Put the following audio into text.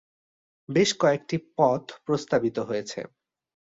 বেশ কয়েকটি পথ প্রস্তাবিত হয়েছে।